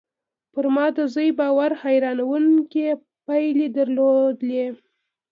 پر ما د زوی باور حيرانوونکې پايلې درلودې